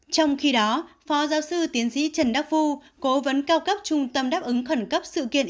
trong khi đó phó giáo sư tiến sĩ trần đắc phu cố vấn cao cấp trung tâm đáp ứng khẩn cấp sự kiện